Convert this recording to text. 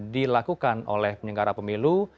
dilakukan oleh penyenggara pemilu